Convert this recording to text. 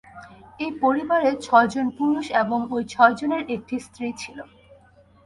ঐ পরিবারে ছয়জন পুরুষ এবং ঐ ছয়জনের একটি স্ত্রী ছিল।